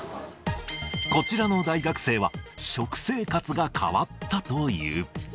こちらの大学生は、食生活が変わったという。